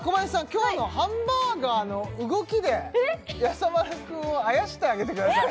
今日のハンバーガーの動きでやさ丸くんをあやしてあげてください